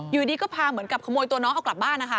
อยู่ดีก็พาเหมือนกับขโมยตัวน้องเอากลับบ้านนะคะ